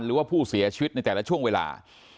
หรือว่าผู้เสียชีวิตในแต่ละช่วงเวลา